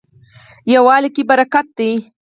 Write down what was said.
یووالي کې برکت دی